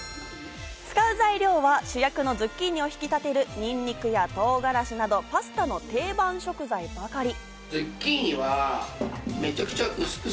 使う材料は主役のズッキーニを引き立てるニンニクや唐辛子などパスタの定番食材ばかり。